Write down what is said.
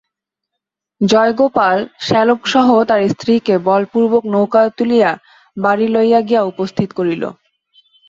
জয়গোপাল শ্যালকসহ তাহার স্ত্রীকে বলপূর্বক নৌকায় তুলিয়া বাড়ি লইয়া গিয়া উপস্থিত করিল।